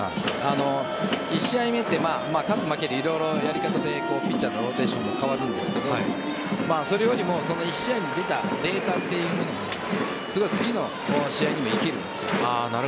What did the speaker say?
１試合目は勝つ、負ける色々、やり方でピッチャーのローテーションも変わるんですがそれよりも１試合に出たデータというものが次の試合にも生きるんです。